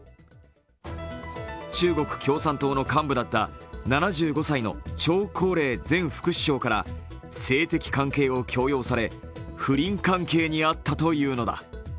中国共産党の幹部だっ７５歳の張高麗前副首相から性的関係を強要され、不倫関係にあったというのだ。